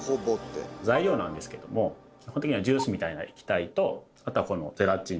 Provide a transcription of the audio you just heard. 材料なんですけれども基本的にはジュースみたいな液体とあとはこの「ゼラチン」。